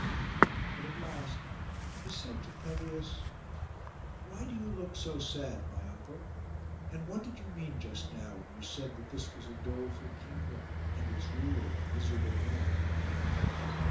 But at last he said to Pelias, 'Why do you look so sad, my uncle? And what did you mean just now when you said that this was a doleful kingdom, and its ruler a miserable man?